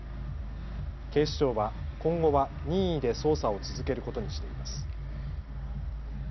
警視庁は今後は任意で捜査を続けることにしています。